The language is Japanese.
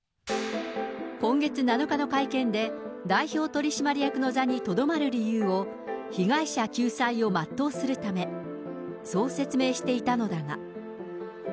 今月７日の会見で、代表取締役の座にとどまる理由を、被害者救済を全うするため、そう説明していたのだが。